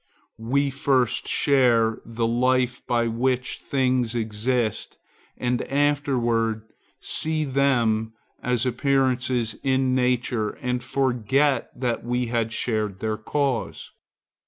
We first share the life by which things exist and afterwards see them as appearances in nature and forget that we have shared their cause.